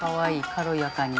軽やかに。